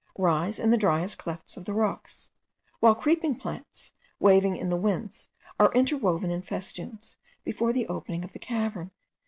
rise in the driest clefts of the rocks; while creeping plants waving in the winds are interwoven in festoons before the opening of the cavern.